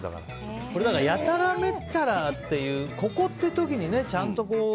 やたらめったらっていうここっていう時にちゃんと。